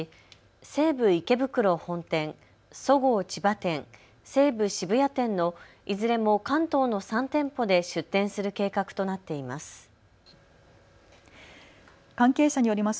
西武池袋本店、そごう千葉店、西武渋谷店のいずれも関東の３店舗で出店する計画となっています。